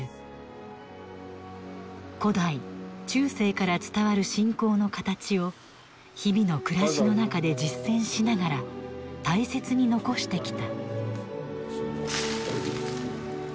古代中世から伝わる信仰のかたちを日々のくらしの中で実践しながら大切に残してきた。